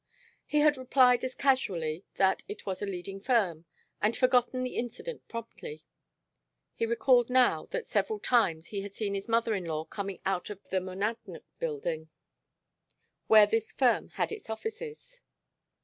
He had replied as casually that it was a leading firm, and forgotten the incident promptly. He recalled now that several times he had seen his mother in law coming out of the Monadnock Building, where this firm had its offices.